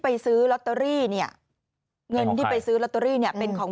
ไปซื้อลอตเตอรี่เนี่ยเงินที่ไปซื้อลอตเตอรี่เนี่ยเป็นของ